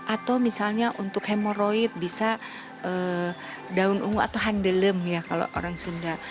atau misalnya untuk hemoroid bisa daun ungu atau handelem ya kalau orang sunda